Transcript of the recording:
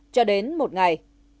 cho đến một ngày